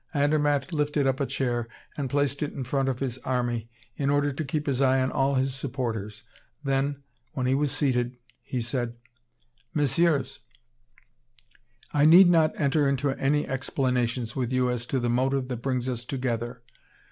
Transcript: Andermatt lifted up a chair, and placed it in front of his army, in order to keep his eye on all his supporters; then, when he was seated, he said: "Messieurs, I need not enter into any explanations with you as to the motive that brings us together.